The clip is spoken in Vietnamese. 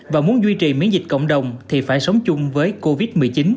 và muốn duy trì miễn dịch cộng đồng thì phải sống chung với covid một mươi chín